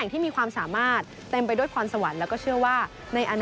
ถ้าเล่นได้แบบนี้